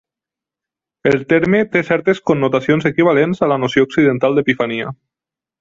El terme té certes connotacions equivalents a la noció occidental d'epifania.